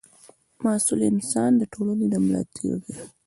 مسوول انسان د ټولنې د ملا تېر دی.